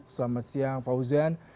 selamat siang fauzan